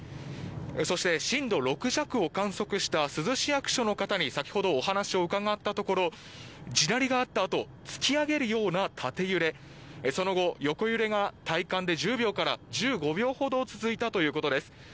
そして震度６弱を観測した珠洲市役所の方に先ほどお話を伺ったところ地鳴りがあったあと突き上げるような縦揺れその後、横揺れが体感で１０秒から１５秒ほど続いたということです。